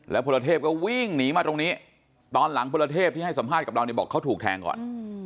พลเทพก็วิ่งหนีมาตรงนี้ตอนหลังพลเทพที่ให้สัมภาษณ์กับเราเนี่ยบอกเขาถูกแทงก่อน